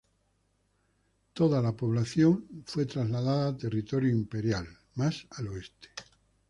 Toda la población fue trasladada a territorio imperial, más al oeste.